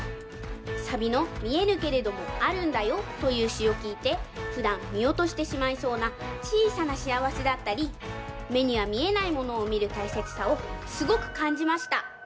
サビの「見えぬけれどもあるんだよ」というしをきいてふだんみおとしてしまいそうなちいさなしあわせだったりめにはみえないものをみるたいせつさをすごくかんじました。